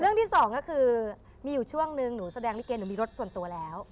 เรื่องที่สองก็คือมีอยู่ช่วงหนึ่งหนูแสดงที่เกรนหนูมีรถส่วนตัวแล้ว